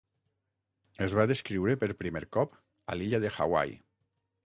Es va descriure per primer cop a l'illa de Hawaii.